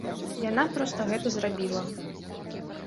Яна проста гэта зрабіла.